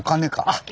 あっ。